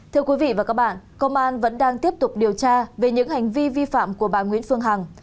thưa quý vị và các bạn công an vẫn đang tiếp tục điều tra về những hành vi vi phạm của bà nguyễn phương hằng